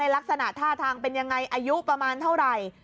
ลักษณะท่าทางเป็นยังไงอายุประมาณเท่าไหร่